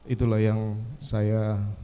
itulah yang saya